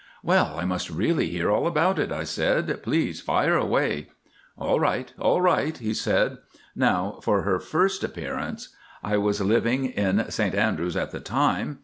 "Well, I must really hear all about it," I said. "Please fire away." "All right, all right!" he said. "Now for her first appearance. I was living in St Andrews at the time.